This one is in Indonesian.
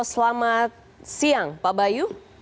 selamat siang pak bayu